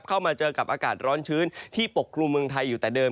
เข้ามาเจอกับอากาศร้อนชื้นที่ปกครุมเมืองไทยอยู่แต่เดิม